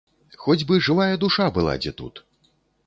Хоць бы жывая душа была дзе тут!